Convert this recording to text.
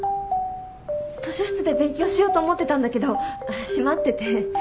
図書室で勉強しようと思ってたんだけど閉まってて。